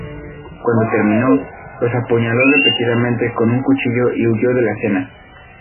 Cuando terminó, los apuñaló repetidamente con un cuchillo y huyó de la escena.